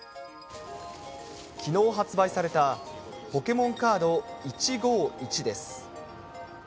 きのう発売されたポケモンカード１５１です。